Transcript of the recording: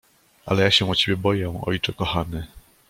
"Ale ja się o ciebie boję, ojcze kochany."